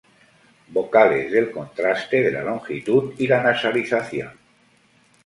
Vocales del contraste de la longitud y la nasalización.